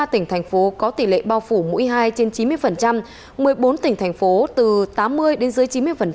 ba mươi tỉnh thành phố có tỷ lệ bao phủ mũi hai trên chín mươi một mươi bốn tỉnh thành phố từ tám mươi đến dưới chín mươi